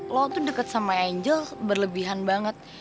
lo tuh deket sama angel berlebihan banget